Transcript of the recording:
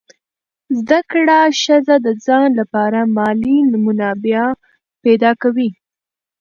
زده کړه ښځه د ځان لپاره مالي منابع پیدا کوي.